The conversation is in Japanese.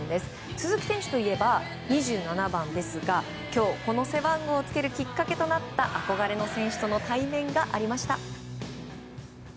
鈴木選手といえば２７番ですが今日、この背番号をつけるきっかけとなった憧れの選手との対面がありました。